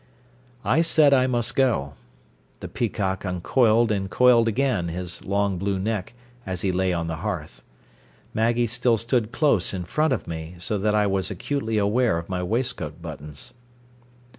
I said I must go. The peacock uncoiled and coiled again his long blue neck as he lay on the hearth. Maggie still stood close in front of me, so that I was acutely aware of my waistcoat buttons.